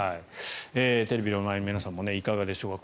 テレビの前の皆さんもいかがでしょうか。